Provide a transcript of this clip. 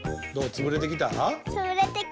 つぶれてきた。